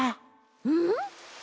うん？